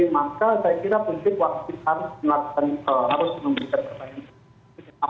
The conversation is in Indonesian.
maka saya kira prinsip harus dilakukan harus membuat pertanyaan